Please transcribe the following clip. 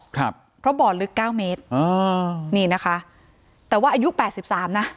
ครับเพราะบ่อลึกเก้าเมตรอ่านี่นะคะแต่ว่าอายุแปดสิบสามนะ